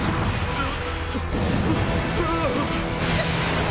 あっ。